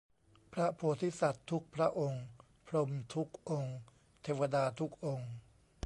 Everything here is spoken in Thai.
พระโพธิสัตว์ทุกพระองค์ พรหมทุกองค์ เทวดาทุกองค์